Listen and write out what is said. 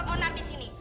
jangan buat onam disini